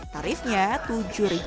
tarifnya tujuh rupiah